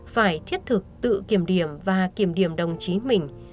phải thiết thực tự kiểm điểm và kiểm điểm đồng chí mình